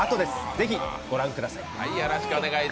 ぜひご覧ください。